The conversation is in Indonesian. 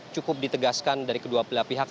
cukup ditegaskan dari kedua belah pihak